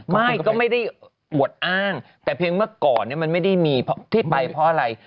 ไม่ก็ไม่ได้อวดอ้างแต่เพียงเมื่อก่อนมันไม่ได้มีที่ไปเพราะอะไร